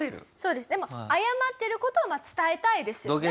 でも謝ってる事は伝えたいですよね。